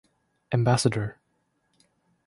Ambassador.